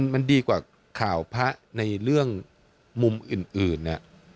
มันดีกว่าข่าวพระในเรื่องมุมอื่น